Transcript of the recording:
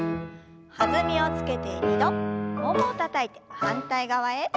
弾みをつけて２度ももをたたいて反対側へ。